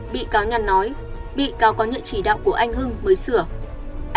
bị cáo nhàn nói bị cáo có nhận chỉ đạo của anh hưng mới sửa